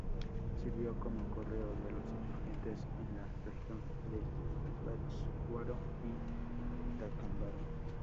Sirvió como "correo" de los insurgentes en la región de Pátzcuaro y Tacámbaro.